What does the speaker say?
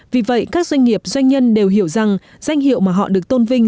vì vậy các doanh nghiệp doanh nhân đều hiểu rằng danh hiệu mà họ được tôn vinh